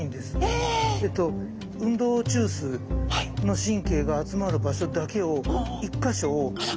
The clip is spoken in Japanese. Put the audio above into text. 運動中枢の神経が集まる場所だけを１か所を１回刺すんです。